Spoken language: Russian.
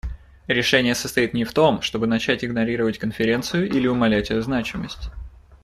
Решение состоит не в том, чтобы начать игнорировать Конференцию или умалять ее значимость.